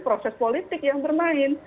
proses politik yang bermain